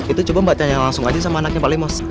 itu coba mbak tanya langsung aja sama anaknya pak limos